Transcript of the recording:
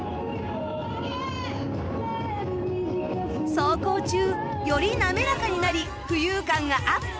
走行中より滑らかになり浮遊感がアップ！